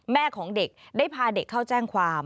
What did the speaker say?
แม่ของเด็กได้พาเด็กเข้าแจ้งความ